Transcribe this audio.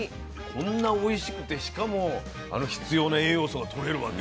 こんなおいしくてしかも必要な栄養素がとれるわけ？